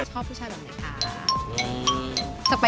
เหลือโจ้งหน้า